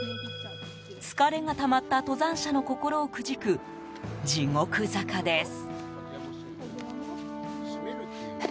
疲れがたまった登山者の心をくじく地獄坂です。